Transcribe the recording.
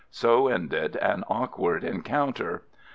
So ended an awkward encounter.